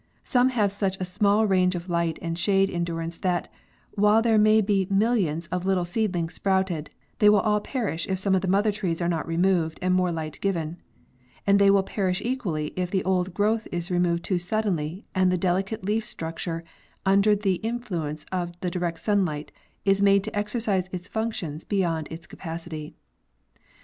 Some have such a small range of light and shade endurance that, while there may be millions of little seedlings sprouted, they will all perish if some of the mother trees are not removed and more light given; and they will perish equally if the old growth is removed too suddenly and the delicate leaf structure, under the influence of direct sunlight, is made to ex ercise its functions beyond its capacity.